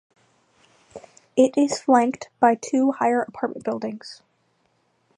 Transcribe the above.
It is flanked by two higher apartment buildings.